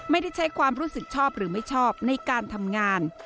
ไม่ได้ใช้ความรู้สึกชอบหรือไม่ชอบในการทำงาน